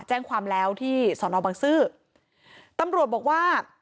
แจ้งความแล้วที่สอนอบังซื้อตำรวจบอกว่า